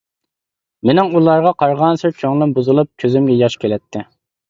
مېنىڭ ئۇلارغا قارىغانسېرى كۆڭلۈم بۇزۇلۇپ، كۆزۈمگە ياش كېلەتتى.